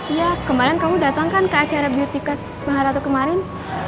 iya kemarin kamu datang kan ke acara beauty class mahalatu kemarin